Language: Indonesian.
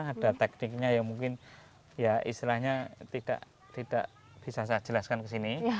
ada tekniknya yang mungkin ya istilahnya tidak bisa saya jelaskan ke sini